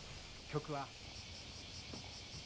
曲は。